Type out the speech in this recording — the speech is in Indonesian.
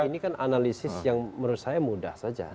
ini kan analisis yang menurut saya mudah saja